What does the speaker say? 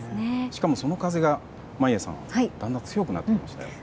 しかもその風が眞家さんだんだん強くなってきました。